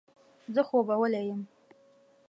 زه خوبولی یم.